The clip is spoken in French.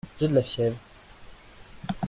J’ai de la fièvre.